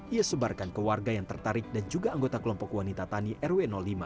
ia sebarkan ke warga yang tertarik dan juga anggota kelompok wanita tani rw lima